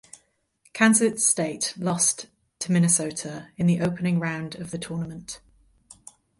Kansas State lost to Minnesota in the opening round of the tournament.